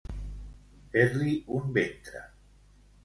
Fer-li un ventre.